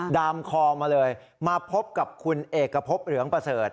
ดามคอมาเลยมาพบกับคุณเอกพบเหลืองประเสริฐ